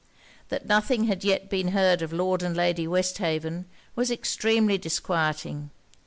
That nothing had yet been heard of Lord and Lady Westhaven, was extremely disquieting.